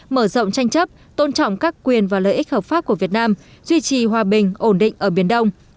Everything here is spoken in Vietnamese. mở rộng tranh chấp tôn trọng các quyền và lợi ích hợp pháp của việt nam duy trì hòa bình ổn định ở biển đông